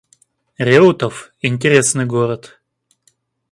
Реутов — интересный город